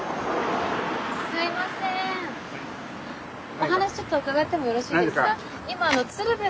お話ちょっと伺ってもよろしいですか？